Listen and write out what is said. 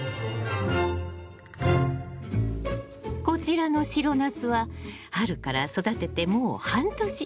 こちらの白ナスは春から育ててもう半年。